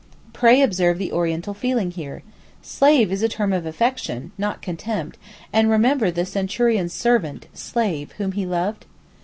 (Pray observe the Oriental feeling here. Slave is a term of affection, not contempt; and remember the Centurion's 'servant (slave) whom he loved.